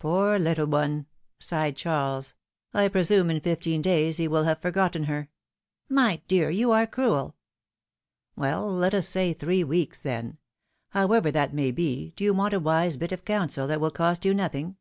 ^^Poor little one!" sighed Charles. presume in fifteen days he will have forgotten her —" My dear, you are cruel !" ''Well, let us say three weeks, then! However that may be, do you want a wise bit of counsel that will cost you nothing?